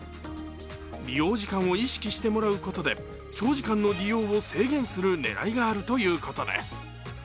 利用時間を意識してもらうことで長時間の利用を制限する狙いがあるということです。